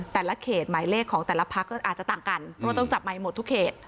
แต่ละเขตหมายเลขของแต่ละพักก็อาจจะต่างกันเพราะว่าต้องจับใหม่หมดทุกเขต